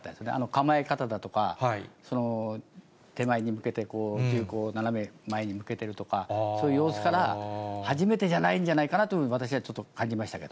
構え方だとか、手前に向けて銃口を斜め前に向けてるとか、そういう様子から、初めてじゃないんじゃないかなと、私は感じましたけ